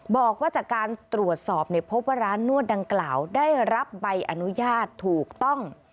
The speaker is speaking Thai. บอกว่าจากการตรวจสอบพบว่าร้านนวดดังกล่าวได้รับใบอนุญาตถูกต้อง